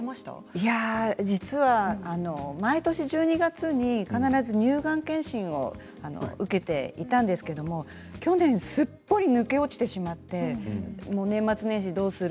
いや実は毎年１２月に必ず乳がん検診を受けていたんですけれど去年すっぽり抜け落ちてしまって年末年始どうする？